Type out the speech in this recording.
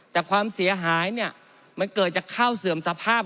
แต่ความเสียหายเนี่ยมันเกิดจากข้าวเสื่อมสภาพ